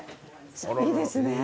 いいですね。